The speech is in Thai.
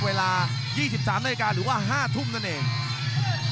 เวลา๒๓นาฬิกาหรือว่า๕ทุ่มนั่นเอง